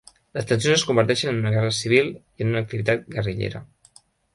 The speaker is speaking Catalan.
Les tensions es converteixen en una guerra civil i en activitat guerrillera.